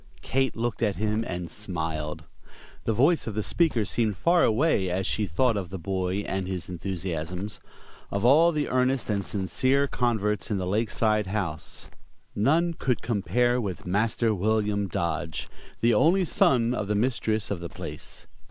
Kate looked at him and smiled. The voice of the speaker seemed far away as she thought of the boy and his enthusiasms. Of all the earnest and sincere converts in the Lakeside House none could compare with Master William Dodge, the only son of the mistress of the place.